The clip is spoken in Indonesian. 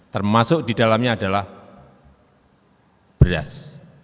termasuk di dalamnya adalah beras